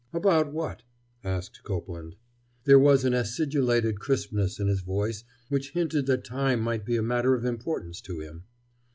"About what?" asked Copeland. There was an acidulated crispness in his voice which hinted that time might be a matter of importance to him.